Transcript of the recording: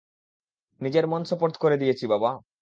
নিজের মন সোপর্দ করে দিয়েছি, বাবা।